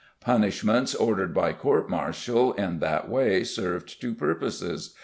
Punishments ordered by court martial in that way served two purposes.